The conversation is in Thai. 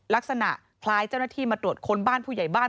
ลักษณะคล้ายเจ้าหน้าที่มาตรวจค้นบ้านผู้ใหญ่บ้าน